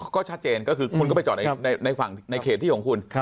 ก็ชัดเจนก็คือคุณก็ไปจอดในฝั่งในเขตที่ของคุณ